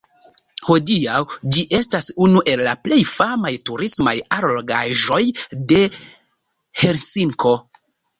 Hodiaŭ ĝi estas unu el la plej famaj turismaj allogaĵoj de Helsinko.